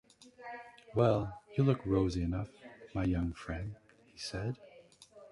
‘Well, you look rosy enough, my young friend,’ he said.